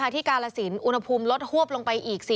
กาลสินอุณหภูมิลดฮวบลงไปอีก